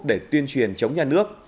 để tuyên truyền chống nhà nước